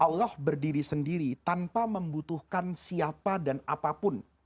allah berdiri sendiri tanpa membutuhkan siapa dan apapun